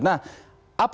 nah apa yang terjadi